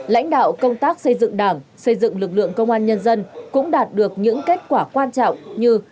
lãnh đạo công tác xây dựng đảng xây dựng lực lượng công an nhân dân cũng đạt được những kết quả quan trọng như